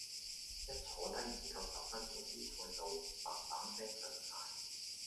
一坐低唔夠十分鐘啲菜就砰砰聲上晒